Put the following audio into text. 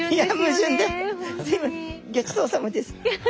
ギョちそうさまです。